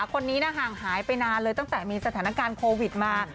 คนนี้ห่างหายไปนานเลยตั้งแต่มีสถานการณ์โควิดมา